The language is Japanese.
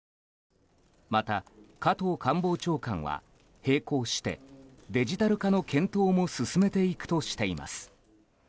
また、加藤官房長官は並行してデジタル化の検討も進めていくとしています。